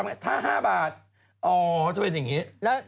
อ๋อเขาจะเป็นอย่างงี้